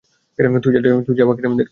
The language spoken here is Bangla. তুই যা, বাকিটা আমি দেখছি।